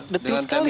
detil sekali ya